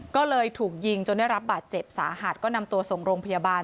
ก็เลยถูกยิงจนได้รับบาดเจ็บสาหัสก็นำตัวส่งโรงพยาบาล